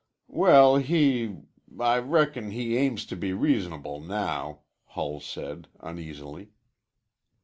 "Well, he I reckon he aims to be reasonable now," Hull said uneasily.